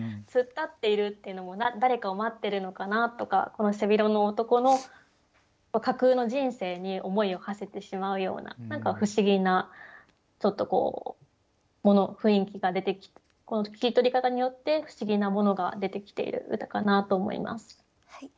「突っ立っている」っていうのも誰かを待ってるのかなとかこの背広の男の架空の人生に思いをはせてしまうような何か不思議なちょっとこう雰囲気が出てこの切り取り方によって不思議なものが出てきている歌かなと思います。